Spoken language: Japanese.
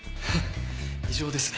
異常ですね。